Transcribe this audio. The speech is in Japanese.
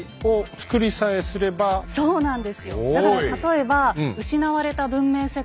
そうなんですよ。